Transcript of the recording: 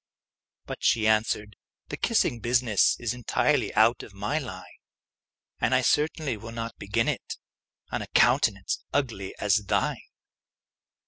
But she answered, "The kissing business Is entirely out of my line; And I certainly will not begin it On a countenance ugly as thine!"